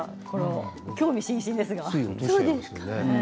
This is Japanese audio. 興味津々ですね。